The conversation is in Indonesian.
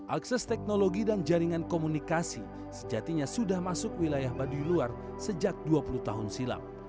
akses teknologi dan jaringan komunikasi sejatinya sudah masuk wilayah baduy luar sejak dua puluh tahun silam